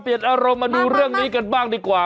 อารมณ์มาดูเรื่องนี้กันบ้างดีกว่า